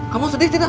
kamu sedih tidak